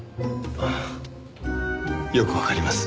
ああよくわかります。